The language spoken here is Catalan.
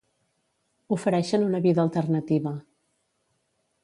ofereixen una vida alternativa